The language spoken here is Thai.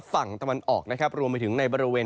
ฝั่งตะวันออกนะครับรวมไปถึงในบริเวณ